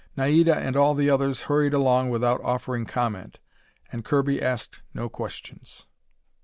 Naida and all the others hurried along without offering comment, and Kirby asked no questions.